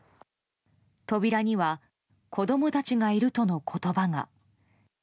扉には子供たちがいるとの言葉が。